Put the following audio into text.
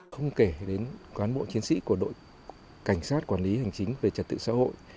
không kể đến cán bộ chiến sĩ của đội cảnh sát quản lý hành chính về trật tự xã hội